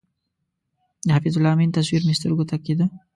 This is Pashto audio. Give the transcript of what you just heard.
د حفیظ الله امین تصویر مې تر سترګو کېده.